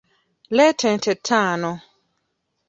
Leeta ente ttaano.